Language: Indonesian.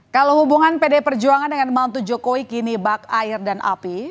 kalau hubungan pdi perjuangan dengan mantu jokowi kini bak air dan api